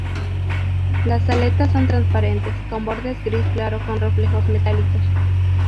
Las aletas son transparentes, con bordes gris claro con reflejos metálicos.